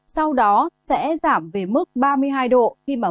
sau đó sẽ giảm về mức ba mươi hai độ khi mà mưa gia tăng hơn trên khu vực